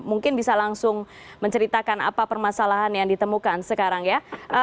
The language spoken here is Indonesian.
mungkin bisa langsung menceritakan apa permasalahan yang ditemukan sekarang ya